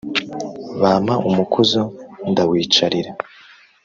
Bampa umukuzo ndawicarira.